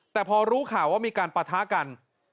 แต่พอรู้ข่าวว่ามีการปะทะกัน